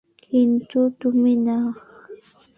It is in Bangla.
কিন্তু তুমি না।